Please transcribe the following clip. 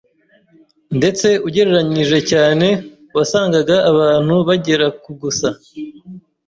Ndetse ugereranije cyane, wasangaga abantu bagera ku gusa.